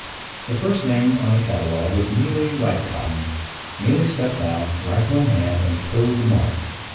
The first name on the catalogue was Mealy Whitecotton. Mealy stepped out, rifle in hand, and toed the mark.